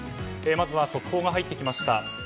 まずは速報が入ってきました。